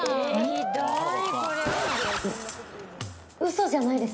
嘘じゃないです。